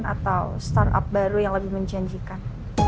atau startup baru yang lebih menjanjikan